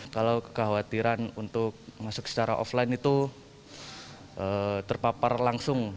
kalau kekhawatiran untuk masuk secara offline itu terpapar langsung